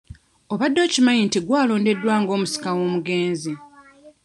Obadde okimanyi nti gwe alondeddwa nga omusika w'omugenzi?